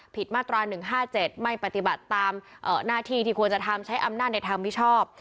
ผิดมาตราหนึ่งห้าเจ็ดไม่ปฏิบัติตามเอ่อหน้าที่ที่ควรจะทำใช้อำนาจในทางพิชอบ